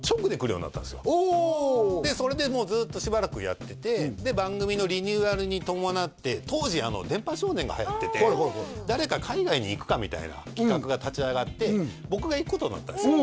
それでもうずっとしばらくやっててで番組のリニューアルに伴って当時「電波少年」がはやっててはいはいはいみたいな企画が立ち上がって僕が行くことになったんですよ